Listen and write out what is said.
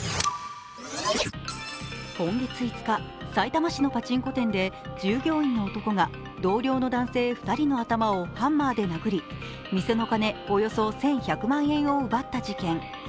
今月５日、さいたま市のパチンコ店で従業員の男が同僚の男性２人の頭をハンマーで殴り、店の金およそ１１００万円を奪った事件。